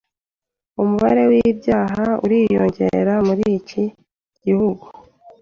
Umubare w'ibyaha uriyongera muri iki gihugu